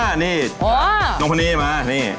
อันนี้น้องพะนี่มานี่